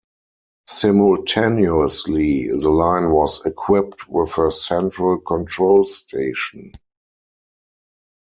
Simultaneously, the line was equipped with a central control station.